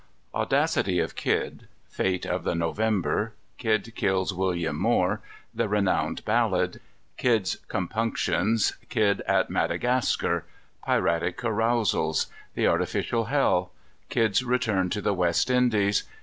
_ Audacity of Kidd. Fate of the November. Kidd kills William Moore. The Renowned Ballad. Kidd's Compunctions. Kidd at Madagascar. Piratic Carousals. The Artificial Hell. Kidd's Return to the West Indies.